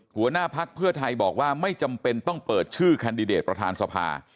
หัวหน้าพักเพื่อไทยบอกว่าไม่จำเป็นต้องเปิดชื่อแคนดิเดตประธานสภา